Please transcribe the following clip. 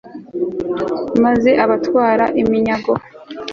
maze abatwara iminyago